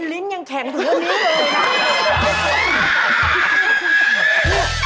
ลิ้นยังแข็งถึงวันนี้เลยล่ะ